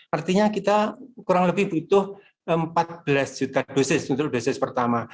artinya kita kurang lebih butuh empat belas juta dosis untuk dosis pertama